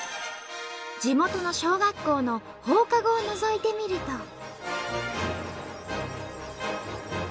地元の小学校の放課後をのぞいてみると。